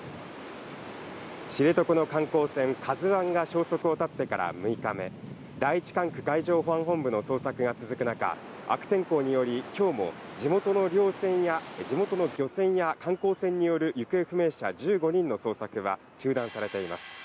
知床の観光船「ＫＡＺＵ１」が消息を絶ってから６日目、第一管区海上保安本部の捜索が続くなか、悪天候により今日も地元の漁船や、観光船による行方不明者１５人の捜索は中断されています。